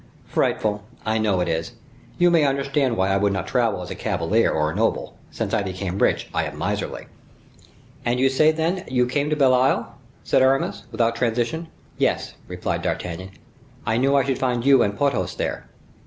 "Frightful! I know it is. You may understand why I would not travel as a cavalier or a noble; since I became rich, I am miserly." "And you say, then, you came to Belle Isle?" said Aramis, without transition. "Yes," replied D'Artagnan; "I knew I should find you and Porthos there."